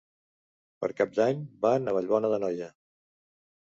Per Cap d'Any van a Vallbona d'Anoia.